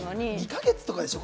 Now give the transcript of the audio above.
２か月とかでしょ？